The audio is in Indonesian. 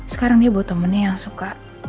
sekarang dia buat temennya yang suka